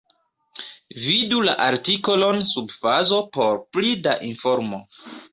Vidu la artikolon sub fazo por pli da informo.